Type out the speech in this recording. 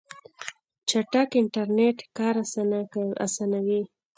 چټک انټرنیټ کار اسانوي.